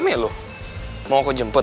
mau aku jemput